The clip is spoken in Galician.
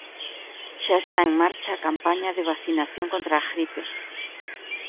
Xa está en marcha a campaña de vacinación contra a gripe.